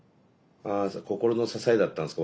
ああ心の支えだったんですか